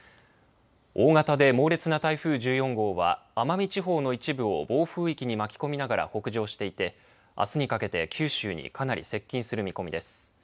大型で猛烈な台風１４号は奄美地方の一部を暴風域に巻き込みながら北上していてあすにかけて九州にかなり接近する見込みです。